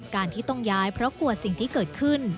การที่ต้องย้ายเพราะกลัวสิ่งที่เกิดขึ้น